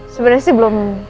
sebenarnya sih belum